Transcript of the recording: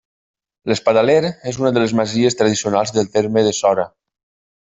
L'Espadaler és una de les masies tradicionals del terme de Sora.